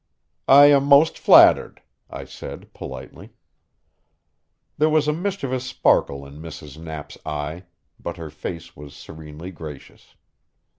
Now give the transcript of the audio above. "I am most flattered," I said politely. There was a mischievous sparkle in Mrs. Knapp's eye, but her face was serenely gracious.